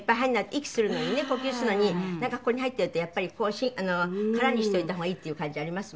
息するのにね呼吸するのになんかここに入っているとやっぱり空にしておいた方がいいっていう感じあります